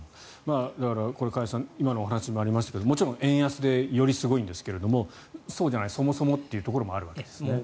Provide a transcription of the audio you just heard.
だから、加谷さん今のお話にもありましたがもちろん円安でよりすごいんですがそうじゃないそもそもっていうところもあるわけですね。